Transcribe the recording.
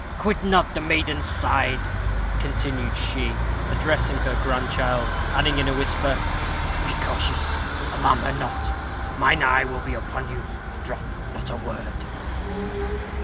Quit not the maiden's side," continued she, addressing her grandchild, adding, in a whisper, "Be cautious alarm her not mine eye will be upon you drop not a word."